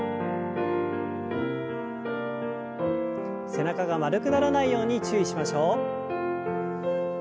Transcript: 背中が丸くならないように注意しましょう。